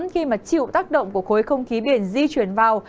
khi mà chịu tác động của khối không khí biển di chuyển vào